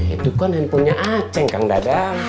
itu kan handphonenya aceh kang dadang